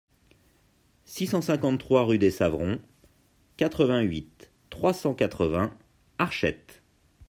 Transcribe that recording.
six cent cinquante-trois rue des Savrons, quatre-vingt-huit, trois cent quatre-vingts, Archettes